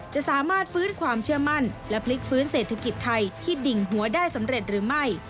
จะสามารถฟื้นความเชื่อมั่นและพลิกฟื้นเศรษฐกิจไทยที่ดิ่งหัวได้สำเร็จหรือไม่